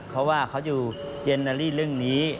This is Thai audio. เพราะว่าเค้าจะอยู่เจนเรื่องนี้